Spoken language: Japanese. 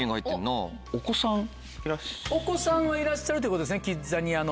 お子さんはいらっしゃるってことですねキッザニアの。